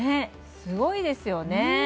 すごいですよね。